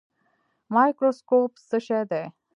مایکروسکوپ څه شی دی؟